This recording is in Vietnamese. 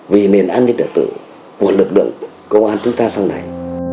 vì nền an ninh đạo tử của lực lượng công an chúng ta sau này